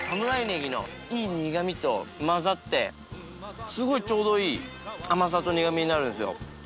ねぎのいい苦味と混ざってすごいちょうどいい甘さと苦味になるんすよ。